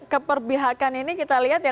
keperbihakan ini kita lihat ya